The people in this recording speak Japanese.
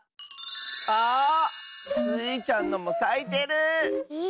あ！スイちゃんのもさいてる！え？